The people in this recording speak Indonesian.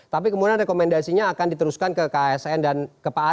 tapi kemudian rekomendasinya akan diteruskan ke ksn dan kpa